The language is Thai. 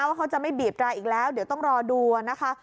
ว่าเขาจะไม่บีบแตรอีกแล้วเดี๋ยวต้องรอดูนะคะ